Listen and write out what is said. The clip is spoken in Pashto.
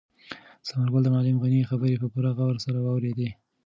ثمرګل د معلم غني خبرې په پوره غور سره واورېدې.